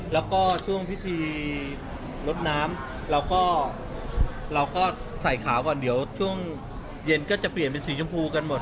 แล้วก็ช่วงพิธีลดน้ำเราก็เราก็ใส่ขาวก่อนเดี๋ยวช่วงเย็นก็จะเปลี่ยนเป็นสีชมพูกันหมด